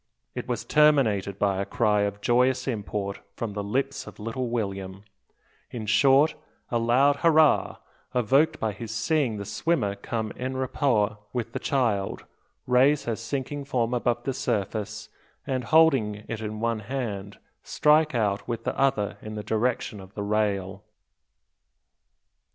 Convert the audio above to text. It was terminated by a cry of joyous import from the lips of little William, in short, a loud hurrah, evoked by his seeing the swimmer come en rapport with the child, raise her sinking form above the surface, and holding it in one hand, strike out with the other in the direction of the rail.